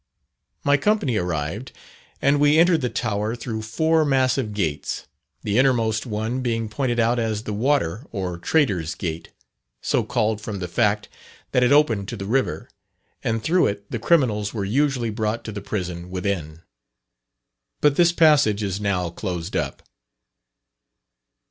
My company arrived, and we entered the tower through four massive gates, the innermost one being pointed out as the "Water, or Traitors' Gate" so called from the fact that it opened to the river, and through it the criminals were usually brought to the prison within. But this passage is now closed up.